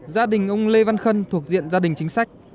gia đình ông lê văn khân thuộc diện gia đình chính sách